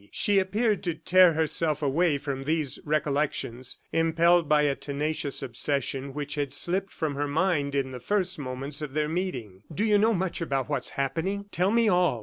She appeared to tear herself away from these recollections, impelled by a tenacious obsession which had slipped from her mind in the first moments of their meeting. "Do you know much about what's happening? Tell me all.